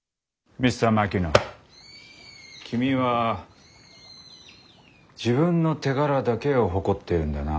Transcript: Ｍｒ．Ｍａｋｉｎｏ．君は自分の手柄だけを誇っているんだな。